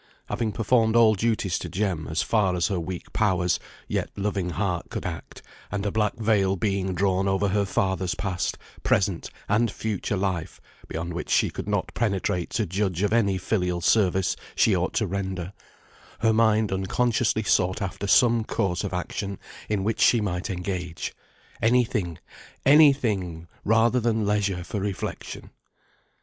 Having performed all duties to Jem, as far as her weak powers, yet loving heart could act; and a black veil being drawn over her father's past, present, and future life, beyond which she could not penetrate to judge of any filial service she ought to render; her mind unconsciously sought after some course of action in which she might engage. Any thing, any thing, rather than leisure for reflection.